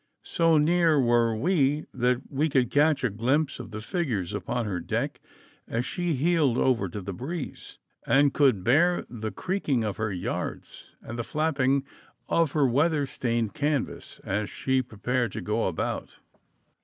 So near were we that we could catch a glimpse of the figures upon her deck as she heeled over to the breeze, and could bear the creaking of her yards and the flapping of her weather stained canvas as she prepared to go about.